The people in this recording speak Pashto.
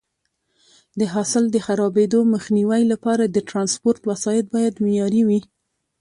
د حاصل د خرابېدو مخنیوي لپاره د ټرانسپورټ وسایط باید معیاري وي.